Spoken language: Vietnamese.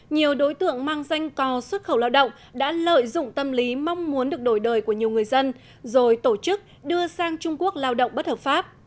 nhiều đối tượng mang danh cò xuất khẩu lao động đã lợi dụng tâm lý mong muốn được đổi đời của nhiều người dân rồi tổ chức đưa sang trung quốc lao động bất hợp pháp